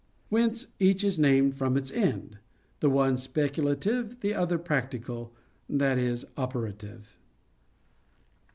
Whence each is named from its end: the one speculative, the other practical i.e. operative.